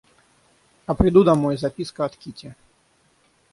А приду домой, записка от Кити.